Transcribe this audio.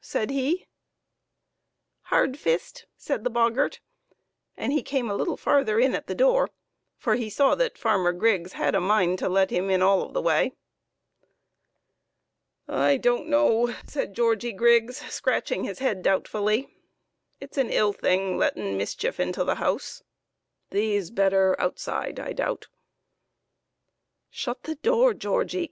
said he. FARMER GRIGGS'S BOGGART. 79 " Hardfist," said the boggart ; and he came a little farther in at the door, for he saw that Farmer Griggs had a mind to let him in all of the way. " I don't know " said Georgie Griggs, scratching his head doubtfully ;" it's an ill thing, lettin' mischief intull the house ! Thee's better outside, I doubt." " Shut the door, Georgie